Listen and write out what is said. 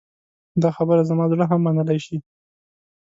دا خبره زما زړه هم منلی شي.